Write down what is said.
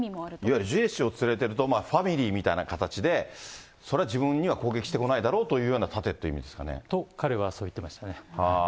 いわゆるジュエ氏を連れてると、ファミリーみたいな形で、それは自分には攻撃してこないだろうというような盾という意味でと彼はそう言ってましたね。